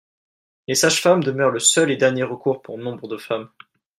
Les sages-femmes demeurent le seul et dernier recours pour nombre de femmes.